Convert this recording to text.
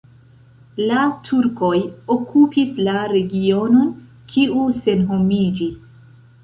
La turkoj okupis la regionon, kiu senhomiĝis.